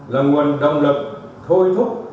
là nguồn động lực thôi thúc